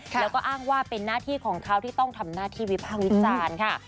แล้วก็อ้างว่าเป็นหน้าที่ของเขาที่ต้องทำหน้าที่วิภาควิจารณ์ค่ะ